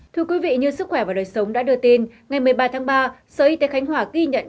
thưa quý vị như sức khỏe và đời sống đã đưa tin ngày một mươi ba tháng ba sở y tế khánh hòa ghi nhận